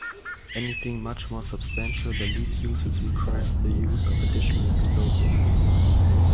Anything much more substantial than these uses requires the use of additional explosives.